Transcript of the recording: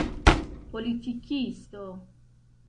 politikisto